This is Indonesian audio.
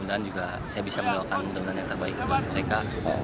dan juga saya bisa menyokong teman teman yang terbaik buat mereka